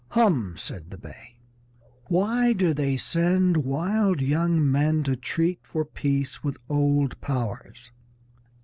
"Hum!" said the Bey. "Why do they send wild young men to treat for peace with old powers?